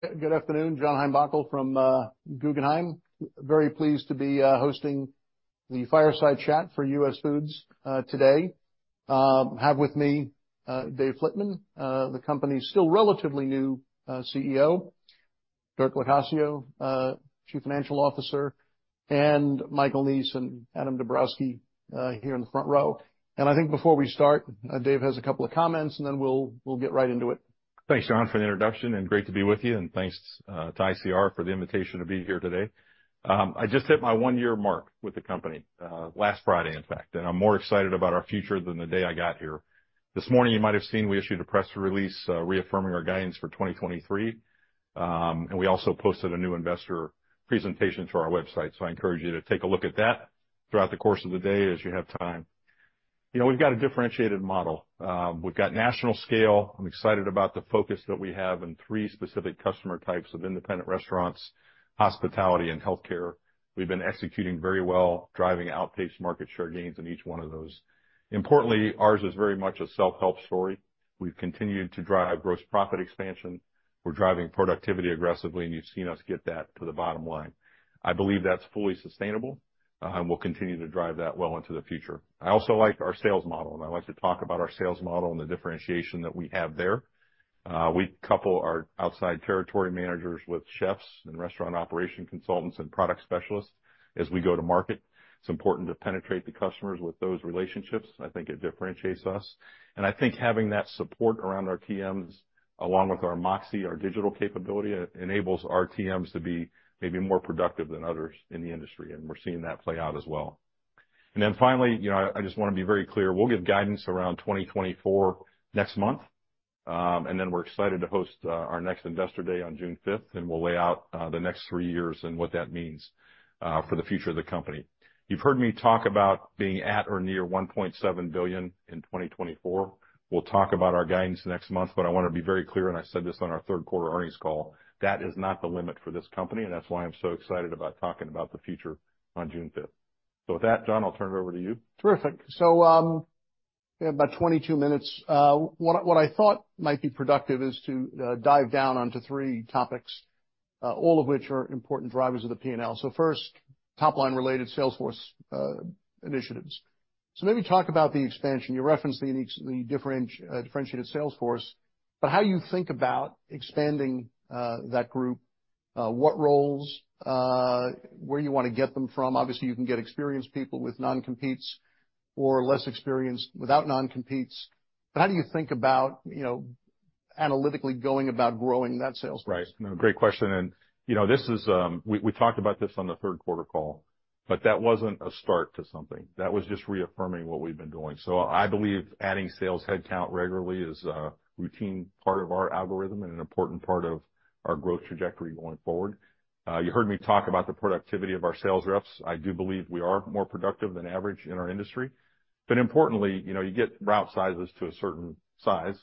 Good afternoon, John Heinbockel from Guggenheim. Very pleased to be hosting the Fireside Chat for US Foods today. I have with me Dave Flitman, the company's still relatively new CEO, Dirk Locascio, Chief Financial Officer, and Michael Neese and Adam Dobrowski here in the front row. I think before we start, Dave has a couple of comments, and then we'll get right into it. Thanks, John, for the introduction, and great to be with you, and thanks to ICR for the invitation to be here today. I just hit my one-year mark with the company last Friday, in fact, and I'm more excited about our future than the day I got here. This morning, you might have seen we issued a press release reaffirming our guidance for 2023. And we also posted a new investor presentation to our website, so I encourage you to take a look at that throughout the course of the day as you have time. You know, we've got a differentiated model. We've got national scale. I'm excited about the focus that we have in three specific customer types of independent restaurants, hospitality, and healthcare. We've been executing very well, driving outpace market share gains in each one of those. Importantly, ours is very much a self-help story. We've continued to drive gross profit expansion, we're driving productivity aggressively, and you've seen us get that to the bottom line. I believe that's fully sustainable, and we'll continue to drive that well into the future. I also like our sales model, and I like to talk about our sales model and the differentiation that we have there. We couple our outside territory managers with chefs and restaurant operation consultants and product specialists. As we go to market, it's important to penetrate the customers with those relationships. I think it differentiates us. And I think having that support around our TMs, along with our MOXē, our digital capability, enables our TMs to be maybe more productive than others in the industry, and we're seeing that play out as well. And then finally, you know, I just wanna be very clear, we'll give guidance around 2024 next month. And then we're excited to host our next Investor Day on June 5, and we'll lay out the next three years and what that means for the future of the company. You've heard me talk about being at or near $1.7 billion in 2024. We'll talk about our guidance next month, but I wanna be very clear, and I said this on our third quarter earnings call, that is not the limit for this company, and that's why I'm so excited about talking about the future on June fifth. So with that, John, I'll turn it over to you. Terrific. So, we have about 22 minutes. What I thought might be productive is to dive down onto three topics, all of which are important drivers of the P&L. So first, top line related sales force initiatives. So maybe talk about the expansion. You referenced the differentiated sales force, but how you think about expanding that group, what roles, where you wanna get them from. Obviously, you can get experienced people with non-competes or less experienced without non-competes, but how do you think about, you know, analytically going about growing that sales force? Right. Great question, and, you know, this is, we, we talked about this on the third quarter call, but that wasn't a start to something. That was just reaffirming what we've been doing. So I believe adding sales headcount regularly is a routine part of our algorithm and an important part of our growth trajectory going forward. You heard me talk about the productivity of our sales reps. I do believe we are more productive than average in our industry, but importantly, you know, you get route sizes to a certain size,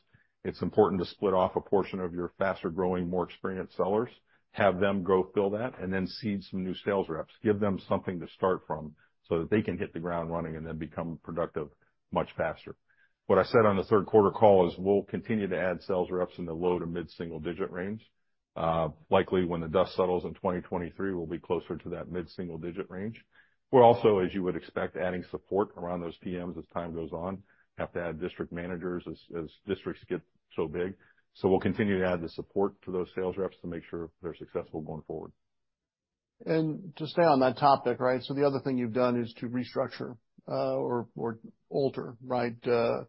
it's important to split off a portion of your faster-growing, more experienced sellers, have them go build that, and then seed some new sales reps, give them something to start from so that they can hit the ground running and then become productive much faster. What I said on the third quarter call is we'll continue to add sales reps in the low to mid-single digit range. Likely when the dust settles in 2023, we'll be closer to that mid-single digit range. We're also, as you would expect, adding support around those TMs as time goes on. Have to add district managers as, as districts get so big. So we'll continue to add the support to those sales reps to make sure they're successful going forward. And to stay on that topic, right, so the other thing you've done is to restructure or alter, right, the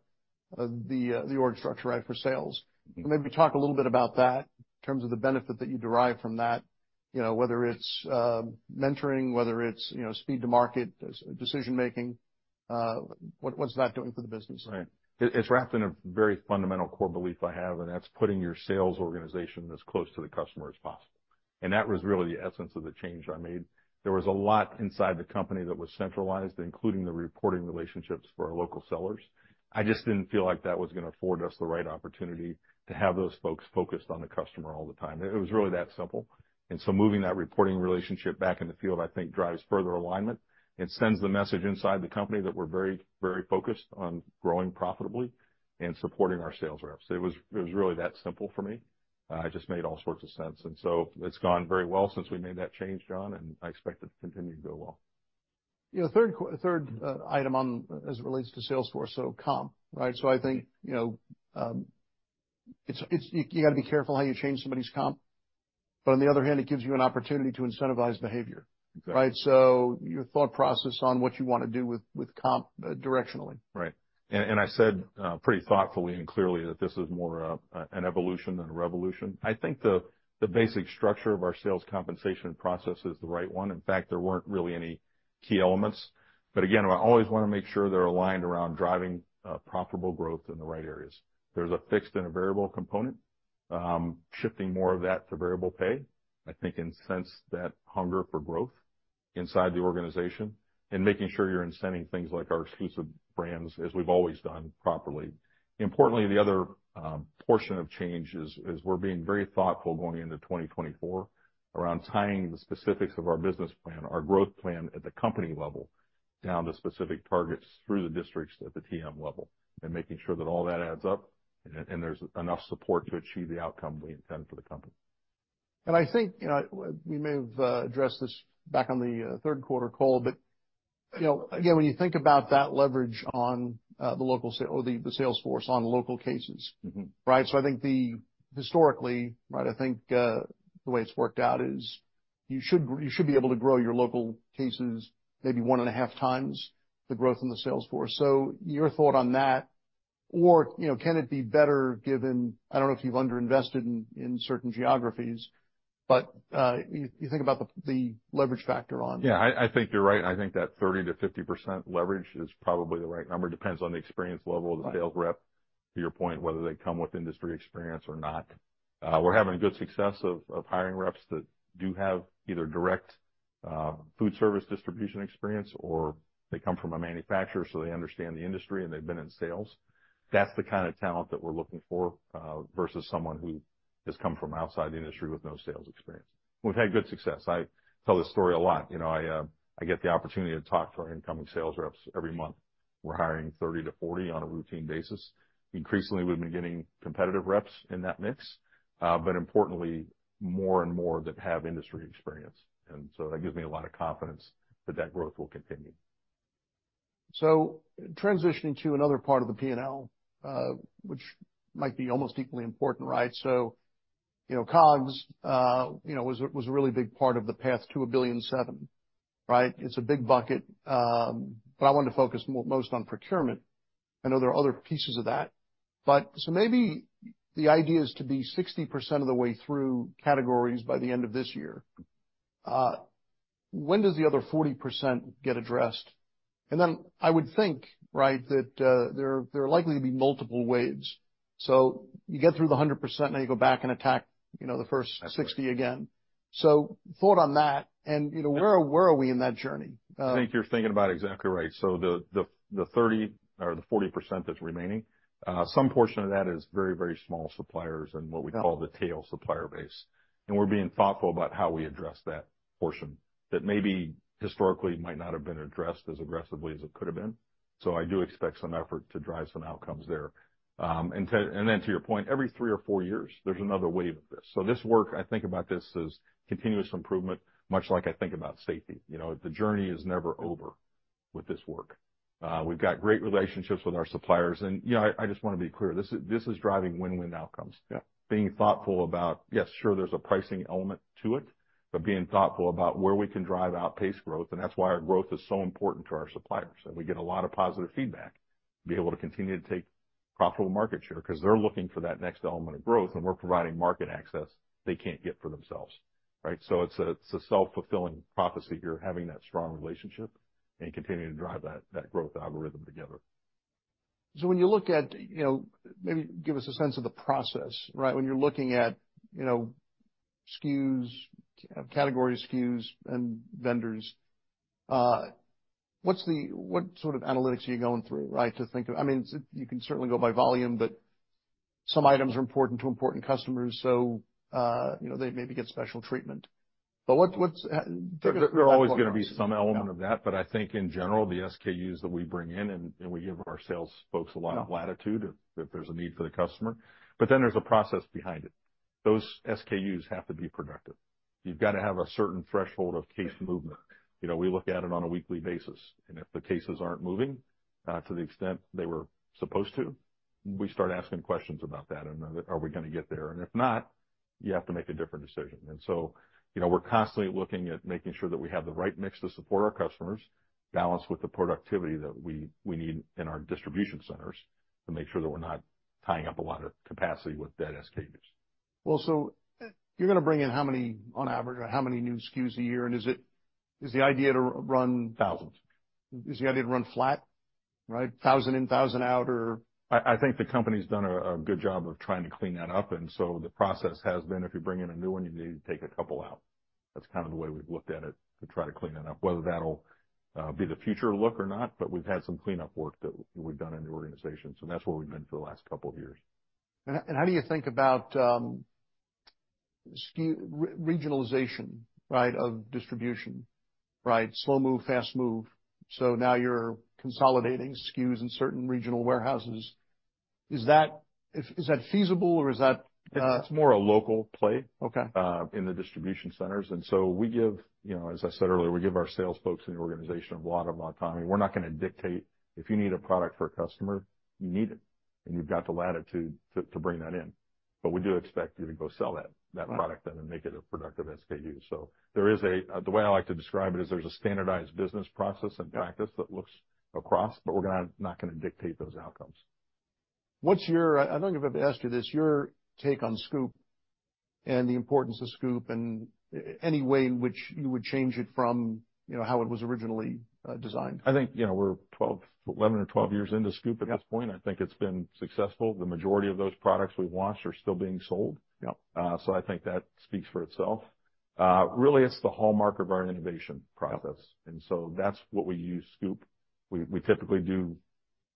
org structure, right, for sales. Maybe talk a little bit about that in terms of the benefit that you derive from that, you know, whether it's mentoring, whether it's, you know, speed to market, decision making, what's that doing for the business? Right. It's wrapped in a very fundamental core belief I have, and that's putting your sales organization as close to the customer as possible. That was really the essence of the change I made. There was a lot inside the company that was centralized, including the reporting relationships for our local sellers. I just didn't feel like that was gonna afford us the right opportunity to have those folks focused on the customer all the time. It was really that simple. So moving that reporting relationship back in the field, I think drives further alignment and sends the message inside the company that we're very, very focused on growing profitably and supporting our sales reps. It was really that simple for me. It just made all sorts of sense, and so it's gone very well since we made that change, John, and I expect it to continue to go well. You know, third item on... As it relates to Sales force, so comp, right? So I think, you know, it's you got to be careful how you change somebody's comp, but on the other hand, it gives you an opportunity to incentivize behavior. Exactly. Right? So your thought process on what you wanna do with, with comp, directionally. Right. And, and I said, pretty thoughtfully and clearly that this is more a, an evolution than a revolution. I think the basic structure of our sales compensation process is the right one. In fact, there weren't really any key elements, but again, I always want to make sure they're aligned around driving profitable growth in the right areas. There's a fixed and a variable component. Shifting more of that to variable pay, I think, incents that hunger for growth inside the organization and making sure you're incenting things like our exclusive brands, as we've always done properly. Importantly, the other portion of change is, is we're being very thoughtful going into 2024 around tying the specifics of our business plan, our growth plan at the company level. down to specific targets through the districts at the TM level, and making sure that all that adds up, and there's enough support to achieve the outcome we intend for the company. I think, you know, we may have addressed this back on the third quarter call, but, you know, again, when you think about that leverage on the local sales force on local cases. Mm-hmm. Right? So I think, historically, right, I think, the way it's worked out is you should be able to grow your local cases maybe one and a half times the growth in the sales force. So your thought on that, or, you know, can it be better given. I don't know if you've underinvested in certain geographies, but, you think about the leverage factor on? Yeah, I think you're right. I think that 30%-50% leverage is probably the right number. Depends on the experience level of the sales rep, to your point, whether they come with industry experience or not. We're having good success of hiring reps that do have either direct, food service distribution experience or they come from a manufacturer, so they understand the industry, and they've been in sales. That's the kind of talent that we're looking for, versus someone who has come from outside the industry with no sales experience. We've had good success. I tell this story a lot. You know, I get the opportunity to talk to our incoming sales reps every month. We're hiring 30-40 on a routine basis. Increasingly, we've been getting competitive reps in that mix, but importantly, more and more that have industry experience, and so that gives me a lot of confidence that that growth will continue. So transitioning to another part of the P&L, which might be almost equally important, right? So, you know, COGS was a really big part of the path to $1.007 billion, right? It's a big bucket, but I want to focus most on procurement. I know there are other pieces of that, but so maybe the idea is to be 60% of the way through categories by the end of this year. When does the other 40% get addressed? And then I would think, right, that there are likely to be multiple waves. So you get through the 100%, now you go back and attack, you know, the first 60 again. That's right. So, thoughts on that, and, you know, where, where are we in that journey? I think you're thinking about it exactly right. So the 30% or 40% that's remaining, some portion of that is very, very small suppliers and what we- Yeah call the tail supplier base, and we're being thoughtful about how we address that portion, that maybe historically might not have been addressed as aggressively as it could have been. So I do expect some effort to drive some outcomes there. And then to your point, every three or four years, there's another wave of this. So this work, I think about this as continuous improvement, much like I think about safety. You know, the journey is never over with this work. We've got great relationships with our suppliers, and, you know, I just want to be clear, this is driving win-win outcomes. Yeah. Being thoughtful about, yes, sure, there's a pricing element to it, but being thoughtful about where we can drive outpace growth, and that's why our growth is so important to our suppliers, and we get a lot of positive feedback, be able to continue to take profitable market share because they're looking for that next element of growth, and we're providing market access they can't get for themselves, right? So it's a, it's a self-fulfilling prophecy. You're having that strong relationship and continuing to drive that, that growth algorithm together. So when you look at, you know, maybe give us a sense of the process, right? When you're looking at, you know, SKUs, categories, SKUs and vendors, what sort of analytics are you going through, right? I mean, you can certainly go by volume, but some items are important to important customers, so, you know, they maybe get special treatment. But what's There are always going to be some element of that. Yeah. But I think in general, the SKUs that we bring in, and we give our sales folks a lot of latitude- Yeah If there's a need for the customer, but then there's a process behind it. Those SKUs have to be productive. You've got to have a certain threshold of case movement. You know, we look at it on a weekly basis, and if the cases aren't moving to the extent they were supposed to, we start asking questions about that, and are we going to get there? And if not, you have to make a different decision. And so, you know, we're constantly looking at making sure that we have the right mix to support our customers, balanced with the productivity that we need in our distribution centers, to make sure that we're not tying up a lot of capacity with dead SKUs. Well, so you're going to bring in how many, on average, or how many new SKUs a year, and is it- is the idea to run- Thousands. Is the idea to run flat, right? 1,000 in, 1,000 out, or... I think the company's done a good job of trying to clean that up, and so the process has been, if you bring in a new one, you need to take a couple out. That's kind of the way we've looked at it, to try to clean that up. Whether that'll be the future look or not, but we've had some cleanup work that we've done in the organization, so that's where we've been for the last couple of years. And how do you think about SKU regionalization, right, of distribution, right? Slow move, fast move. So now you're consolidating SKUs in certain regional warehouses. Is that feasible or is that It's more a local play- Okay in the distribution centers, and so we give, you know, as I said earlier, we give our sales folks in the organization a lot of autonomy. We're not going to dictate if you need a product for a customer, you need it, and you've got the latitude to bring that in. But we do expect you to go sell that product- Right -and make it a productive SKU. So there is a, the way I like to describe it is there's a standardized business process and practice- Yeah that looks across, but we're going to, dictate those outcomes. What's your... I don't think I've ever asked you this, your take on Scoop and the importance of Scoop and any way in which you would change it from, you know, how it was originally designed? I think, you know, we're 12, 11 or 12 years into Scoop at this point. Yeah. I think it's been successful. The majority of those products we've launched are still being sold. Yep. So I think that speaks for itself. Really, it's the hallmark of our innovation process. Yep. And so that's what we use Scoop. We typically do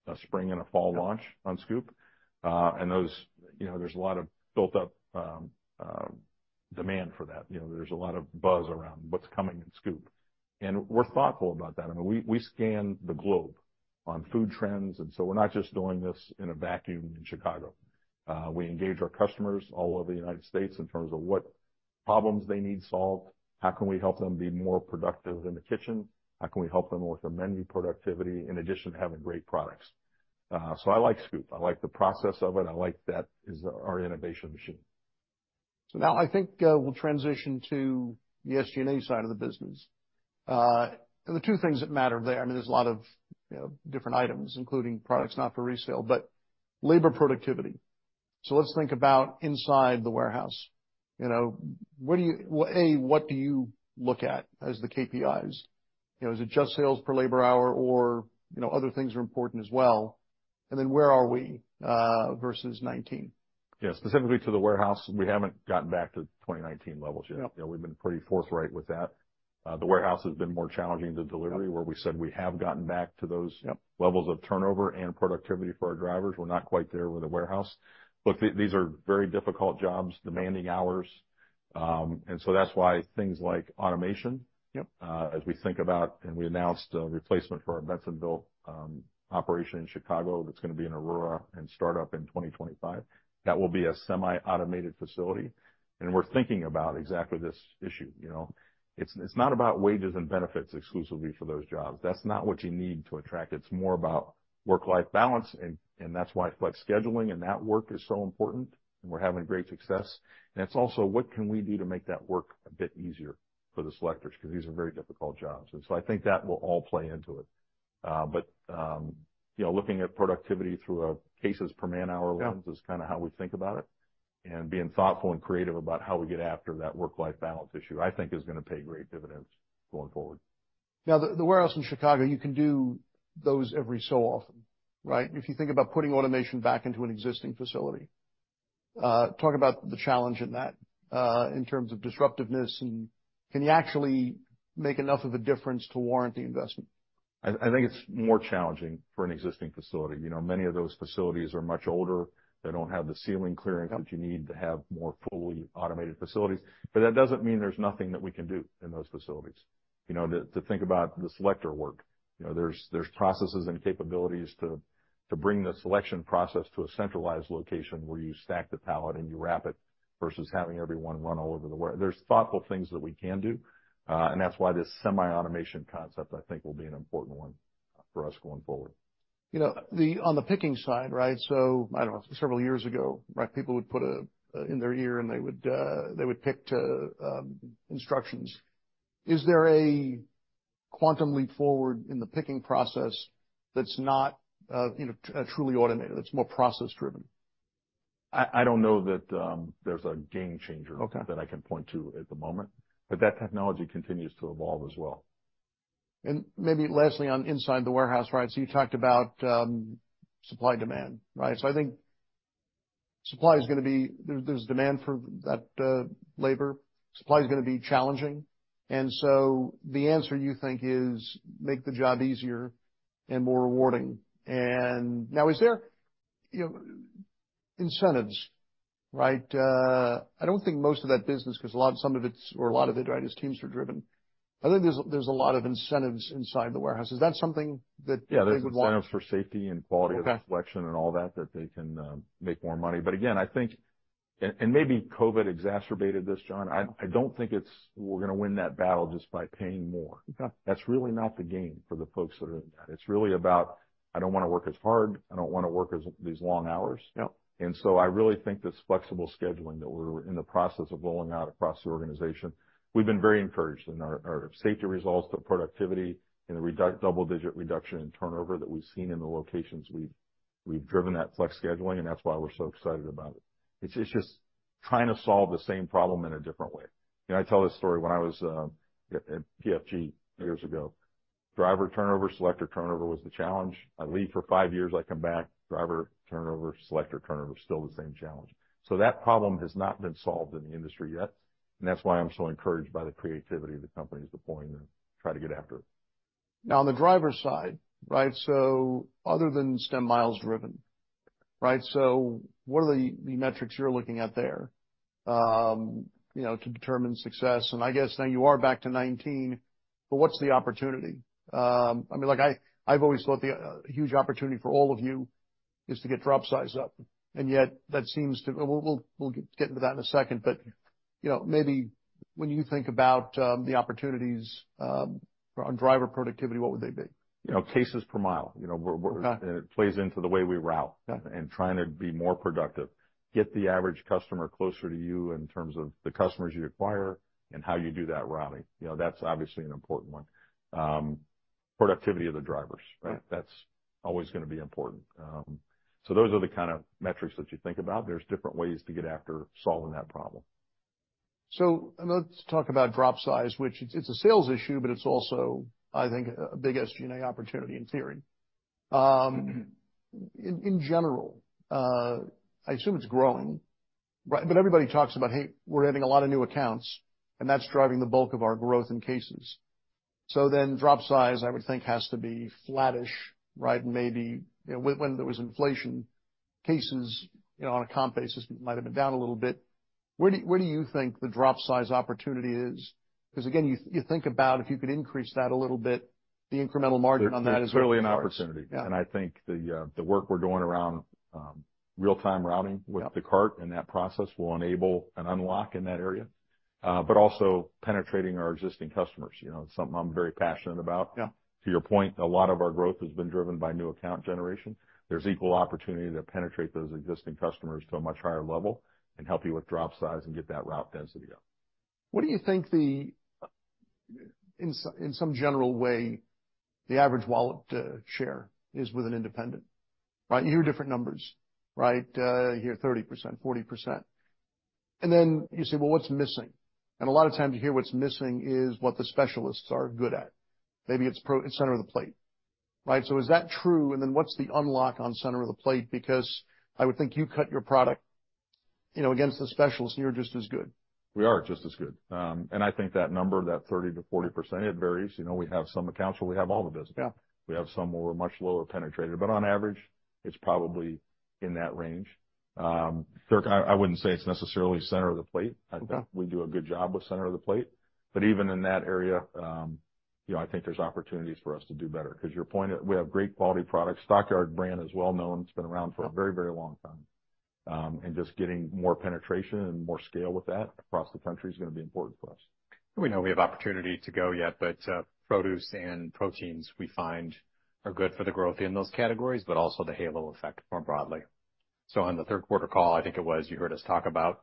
a spring and a fall launch- Yeah on Scoop. And those, you know, there's a lot of built-up demand for that. You know, there's a lot of buzz around what's coming in Scoop, and we're thoughtful about that. I mean, we scan the globe on food trends, and so we're not just doing this in a vacuum in Chicago. We engage our customers all over the United States in terms of what problems they need solved, how can we help them be more productive in the kitchen? How can we help them with their menu productivity, in addition to having great products? So I like Scoop. I like the process of it. I like that is our innovation machine. So now I think we'll transition to the SG&A side of the business. And the two things that matter there, I mean, there's a lot of, you know, different items, including products not for resale, but labor productivity. So let's think about inside the warehouse. You know, what do you, what do you look at as the KPIs? You know, is it just sales per labor hour or, you know, other things are important as well? And then where are we versus 2019? Yeah. Specifically to the warehouse, we haven't gotten back to 2019 levels yet. Yep. You know, we've been pretty forthright with that. The warehouse has been more challenging than delivery, where we said we have gotten back to those- Yep - levels of turnover and productivity for our drivers. We're not quite there with the warehouse. Look, these are very difficult jobs, demanding hours, and so that's why things like automation- Yep... as we think about, and we announced a replacement for our Bensenville operation in Chicago, that's gonna be in Aurora and start up in 2025. That will be a semi-automated facility, and we're thinking about exactly this issue. You know, it's not about wages and benefits exclusively for those jobs. That's not what you need to attract. It's more about work-life balance, and that's why flex scheduling and that work is so important, and we're having great success. And it's also, what can we do to make that work a bit easier for the selectors? Because these are very difficult jobs. And so I think that will all play into it. You know, looking at productivity through a cases per man-hour lens- Yep is kind of how we think about it, and being thoughtful and creative about how we get after that work-life balance issue, I think is going to pay great dividends going forward. Now, the warehouse in Chicago, you can do those every so often, right? If you think about putting automation back into an existing facility, talk about the challenge in that, in terms of disruptiveness and can you actually make enough of a difference to warrant the investment? I think it's more challenging for an existing facility. You know, many of those facilities are much older. They don't have the ceiling clearance- Yep... that you need to have more fully automated facilities, but that doesn't mean there's nothing that we can do in those facilities. You know, to think about the selector work, you know, there's processes and capabilities to bring the selection process to a centralized location, where you stack the pallet and you wrap it, versus having everyone run all over the ware- There's thoughtful things that we can do, and that's why this semi-automation concept, I think, will be an important one for us going forward. You know, on the picking side, right? So I don't know, several years ago, right, people would put a in their ear, and they would pick to instructions. Is there a quantum leap forward in the picking process that's not, you know, truly automated, that's more process driven? I don't know that there's a game changer- Okay - that I can point to at the moment, but that technology continues to evolve as well. And maybe lastly, inside the warehouse, right? So you talked about, supply, demand, right? So I think supply is gonna be... There's demand for that labor. Supply is gonna be challenging, and so the answer, you think, is make the job easier and more rewarding. And now, is there, you know, incentives, right? I don't think most of that business, 'cause a lot—some of it's, or a lot of it, right, is teams are driven. I think there's a lot of incentives inside the warehouse. Is that something that they would want? Yeah, there's incentives for safety and quality of selection- Okay and all that, that they can make more money. But again, I think, and maybe COVID exacerbated this, John. I don't think it's. We're going to win that battle just by paying more. Okay. That's really not the game for the folks that are in that. It's really about, I don't want to work as hard. I don't wanna work these long hours. Yep. And so I really think this flexible scheduling that we're in the process of rolling out across the organization, we've been very encouraged in our safety results, the productivity, and the double-digit reduction in turnover that we've seen in the locations we've driven that flex scheduling, and that's why we're so excited about it. It's just trying to solve the same problem in a different way. You know, I tell this story, when I was at PFG years ago, driver turnover, selector turnover was the challenge. I leave for five years, I come back, driver turnover, selector turnover, still the same challenge. So that problem has not been solved in the industry yet, and that's why I'm so encouraged by the creativity the company is deploying to try to get after it. Now, on the driver side, right, so other than stem miles driven, right, so what are the metrics you're looking at there, you know, to determine success? And I guess now you are back to 19, but what's the opportunity? I mean, like, I've always thought the huge opportunity for all of you is to get drop size up, and yet that seems to... We'll get into that in a second, but, you know, maybe when you think about the opportunities on driver productivity, what would they be? You know, cases per mile. You know, we're- Okay and it plays into the way we route- Yeah - and trying to be more productive, get the average customer closer to you in terms of the customers you acquire and how you do that routing. You know, that's obviously an important one. Productivity of the drivers- Yeah... right? That's always gonna be important. So those are the kind of metrics that you think about. There's different ways to get after solving that problem. So let's talk about drop size, which is a sales issue, but it's also, I think, a big SG&A opportunity in theory. In general, I assume it's growing, right? But everybody talks about, "Hey, we're adding a lot of new accounts, and that's driving the bulk of our growth in cases." So then drop size, I would think, has to be flattish, right? Maybe, you know, when there was inflation cases, you know, on a comp basis, it might have been down a little bit. Where do you think the drop size opportunity is? Because, again, you think about if you could increase that a little bit, the incremental margin on that is- There, there's clearly an opportunity. Yeah. And I think the work we're doing around real-time routing- Yeah with the cart and that process will enable and unlock in that area. But also penetrating our existing customers, you know, something I'm very passionate about. Yeah. To your point, a lot of our growth has been driven by new account generation. There's equal opportunity to penetrate those existing customers to a much higher level and help you with drop size and get that route density up. What do you think, in some general way, the average wallet share is with an independent, right? You hear different numbers, right? You hear 30%, 40%, and then you say, "Well, what's missing?" And a lot of times you hear what's missing is what the specialists are good at. Maybe it's center of the plate, right? So is that true? And then what's the unlock on center of the plate? Because I would think you cut your product, you know, against the specialists, and you're just as good. We are just as good. I think that number, that 30%-40%, it varies. You know, we have some accounts where we have all the business. Yeah. We have somewhere we're much lower penetrated, but on average, it's probably in that range. Dirk, I wouldn't say it's necessarily center of the plate. Okay. I think we do a good job with center of the plate, but even in that area, you know, I think there's opportunities for us to do better. 'Cause your point, we have great quality products. Stock Yards brand is well known. It's been around for a very, very long time. And just getting more penetration and more scale with that across the country is going to be important for us. We know we have opportunity to go yet, but, produce and proteins we find are good for the growth in those categories, but also the halo effect more broadly. So on the third quarter call, I think it was, you heard us talk about,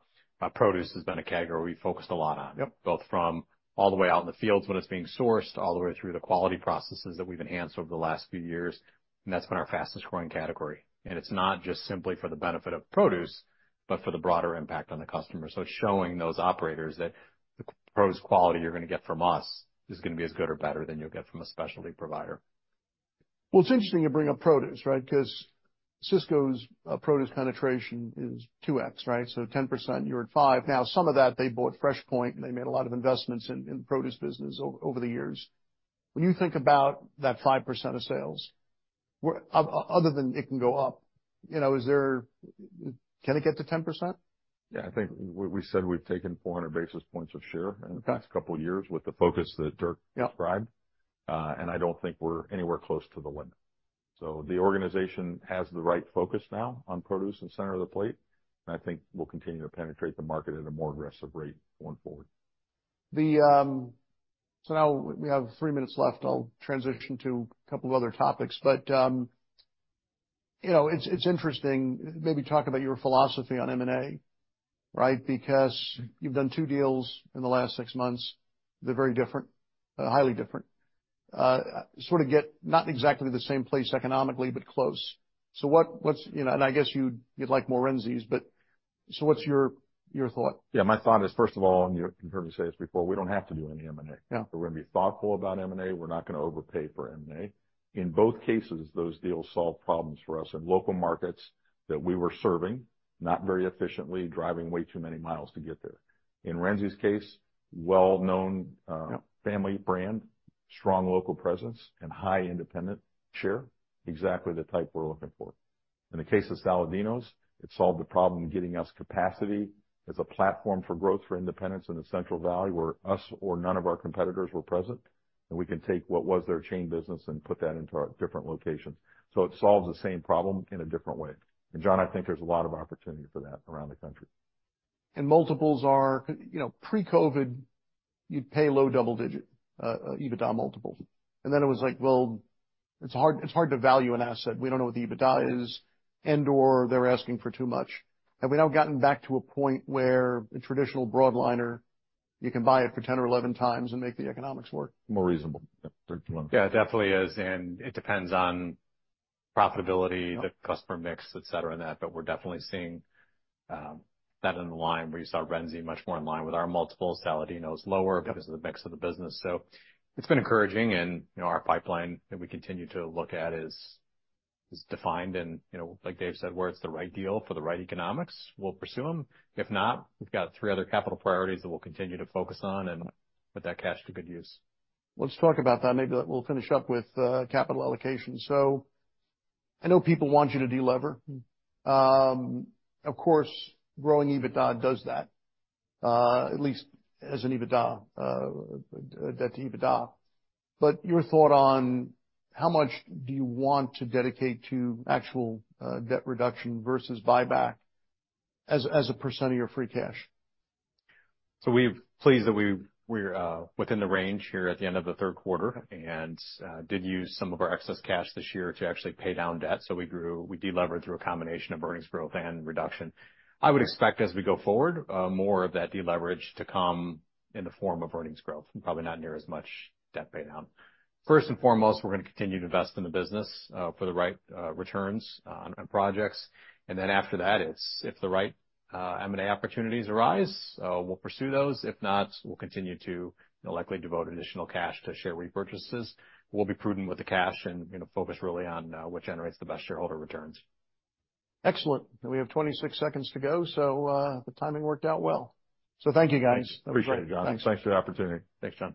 produce has been a category we focused a lot on. Yep. Both from all the way out in the fields when it's being sourced, all the way through the quality processes that we've enhanced over the last few years, and that's been our fastest growing category. It's not just simply for the benefit of produce, but for the broader impact on the customer. It's showing those operators that the produce quality you're gonna get from us is gonna be as good or better than you'll get from a specialty provider. Well, it's interesting you bring up produce, right? Because Sysco's produce penetration is 2x, right? So 10%, you're at five. Now, some of that, they bought FreshPoint, and they made a lot of investments in the produce business over the years. When you think about that 5% of sales, where other than it can go up, you know, is there—Can it get to 10%? Yeah, I think we said we've taken 400 basis points of share- Okay In the past couple of years with the focus that Dirk described. Yeah. I don't think we're anywhere close to the limit. The organization has the right focus now on produce and center of the plate, and I think we'll continue to penetrate the market at a more aggressive rate going forward. So now we have three minutes left. I'll transition to a couple of other topics, but you know, it's interesting, maybe talk about your philosophy on M&A, right? Because you've done two deals in the last six months. They're very different, highly different. Sort of get not exactly the same place economically, but close. So what's your thought? You know, and I guess you'd like more Renzi's, but so what's your thought? Yeah. My thought is, first of all, and you've heard me say this before, we don't have to do any M&A. Yeah. We're gonna be thoughtful about M&A. We're not gonna overpay for M&A. In both cases, those deals solve problems for us in local markets that we were serving, not very efficiently, driving way too many miles to get there. In Renzi's case, well-known, Yep... family brand, strong local presence, and high independent share, exactly the type we're looking for. In the case of Saladino's, it solved the problem of getting us capacity as a platform for growth for independents in the Central Valley, where us or none of our competitors were present, and we can take what was their chain business and put that into our different locations. So it solves the same problem in a different way. And John, I think there's a lot of opportunity for that around the country. Multiples are, you know, pre-COVID, you'd pay low double-digit EBITDA multiples. And then it was like, well, it's hard, it's hard to value an asset. We don't know what the EBITDA is, and/or they're asking for too much. Have we now gotten back to a point where a traditional broadliner, you can buy it for 10x or 11x and make the economics work? More reasonable. Yep, Dirk, you want to Yeah, it definitely is, and it depends on profitability- Yep... the customer mix, et cetera, and that. But we're definitely seeing that in the line where you saw Renzi much more in line with our multiples, Saladino's lower- Yeah... because of the mix of the business. It's been encouraging and, you know, our pipeline that we continue to look at is defined. You know, like Dave said, where it's the right deal for the right economics, we'll pursue them. If not, we've got three other capital priorities that we'll continue to focus on and put that cash to good use. Let's talk about that. Maybe we'll finish up with capital allocation. So I know people want you to delever. Of course, growing EBITDA does that, at least as an EBITDA debt to EBITDA. But your thought on how much do you want to dedicate to actual debt reduction versus buyback as, as a percent of your free cash? So we're pleased that we're within the range here at the end of the Third Quarter, and did use some of our excess cash this year to actually pay down debt. So we delevered through a combination of earnings growth and reduction. I would expect, as we go forward, more of that deleverage to come in the form of earnings growth, and probably not near as much debt pay down. First and foremost, we're going to continue to invest in the business for the right returns on projects. And then after that, it's if the right M&A opportunities arise, we'll pursue those. If not, we'll continue to likely devote additional cash to share repurchases. We'll be prudent with the cash and, you know, focus really on what generates the best shareholder returns. Excellent. We have 26 seconds to go, so, the timing worked out well. So thank you, guys. Appreciate it, John. Thanks. Thanks for the opportunity. Thanks, John.